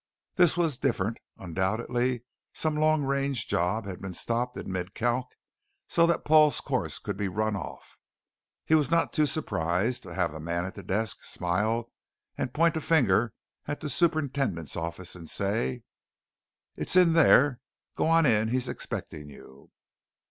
This was different, undoubtedly some long range job had been stopped in mid calc so that Paul's course could be run off. He was not too surprised to have the man at the desk smile and point a finger at the Superintendent's Office and say: "It's in there. Go on in, he's expecting you."